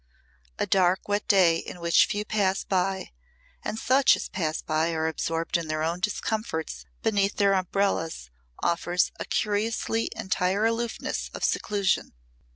A dark wet day in which few pass by and such as pass are absorbed in their own discomforts beneath their umbrellas, offers a curiously entire aloofness of seclusion.